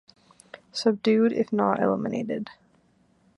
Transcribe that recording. Subdued if not eliminated.